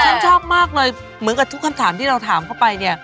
ฉันชอบมากเลยเหมือนกับทุกคำถามที่เราถามเข้าไปเนี่ย